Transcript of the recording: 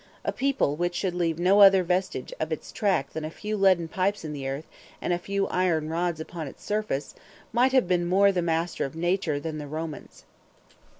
A people which should leave no other vestige of its track than a few leaden pipes in the earth and a few iron rods upon its surface, might have been more the master of nature than the Romans.